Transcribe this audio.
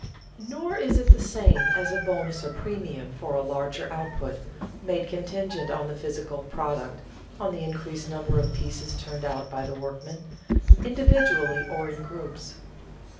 Nor is it the same as a bonus or premium for a larger output, made contingent on the physical product, on the increased number of pieces turned out by the workmen, individually or in groups.